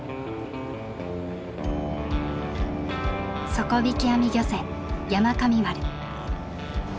底引き網漁船山神丸。